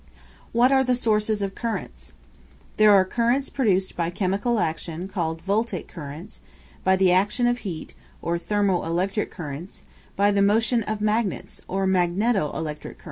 What are the sources of currents? There are currents produced by chemical action called voltaic currents; by the action of heat, or thermo electric currents; by the motion of magnets, or magneto electric currents.